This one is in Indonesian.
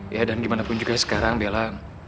ya dan gimana pun juga sekarang bella